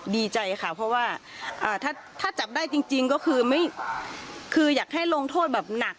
ดีใจค่ะเพราะว่าถ้าจับได้จริงก็คืออยากให้ลงโทษแบบหนัก